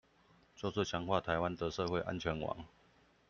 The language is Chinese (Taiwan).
就是強化臺灣的社會安全網